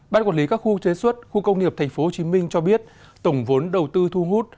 ban quản lý các khu chế xuất khu công nghiệp tp hcm cho biết tổng vốn đầu tư thu hút